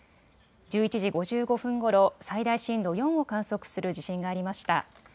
１１時５５分ごろ、最大震度４を観測する地震がありました。